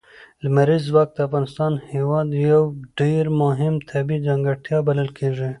لمریز ځواک د افغانستان هېواد یوه ډېره مهمه طبیعي ځانګړتیا بلل کېږي.